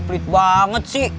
pelit banget sih